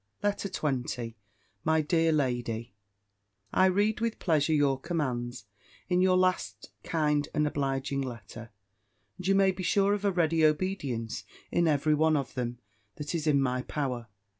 LETTER XX MY DEAR LADY, I read with pleasure your commands, in your last kind and obliging letter: and you may be sure of a ready obedience in every one of them, that is in my power.